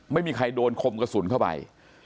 ไม่มีใครโดนคมกระสุนเข้าไป